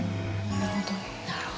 なるほどな。